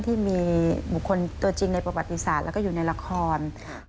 ที่มีบุคคลตัวจริงในประวัติศาสตร์แล้วก็อยู่ในละคร